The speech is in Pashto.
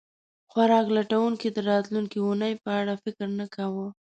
خوراک لټونکي د راتلونکې اوونۍ په اړه فکر نه کاوه.